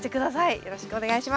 よろしくお願いします。